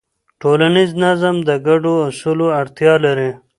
ټولنیز نظم د ګډو اصولو اړتیا لري.